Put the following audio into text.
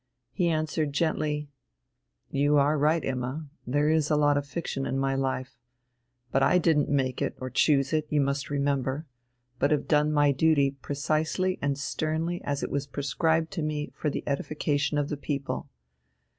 He answered gently: "You are right, Imma, there is a lot of fiction in my life. But I didn't make it or choose it, you must remember, but have done my duty precisely and sternly as it was prescribed to me for the edification of the people.